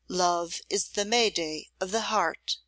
Love is the May day of the heart.